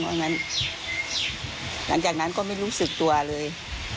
อย่างนั้นหลังจากนั้นก็ไม่รู้สึกตัวเลย